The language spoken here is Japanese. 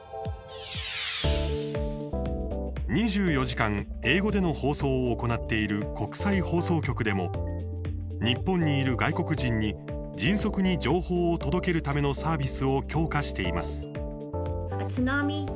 ２４時間、英語での放送を行っている国際放送局でも日本にいる外国人に迅速に情報を届けるためのサービスを強化しています。